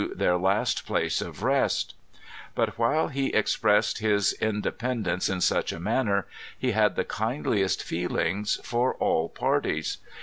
their last place of rest But while he expressed his independ ence in such a manner, he had the kindliest feelings for all par ties.